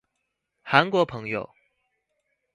韓國朋友